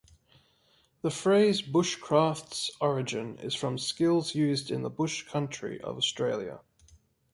The phrase bushcraft's origin is from skills used in the bush country of Australia.